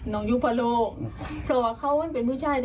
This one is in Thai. น้องอยู่พลงเพราะว่าเขายังไม่เป็นผู้ชาย